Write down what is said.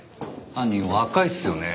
犯人若いですよね。